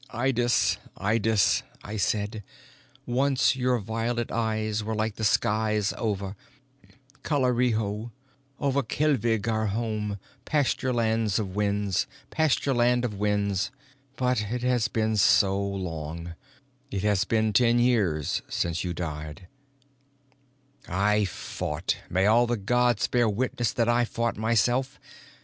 _Ydis, Ydis, I said, once your violet eyes were like the skies over Kalariho, over Kealvigh, our home, pasture land of winds. But it has been so long. It has been ten years since you died _ I fought. May all the gods bear witness that I fought myself.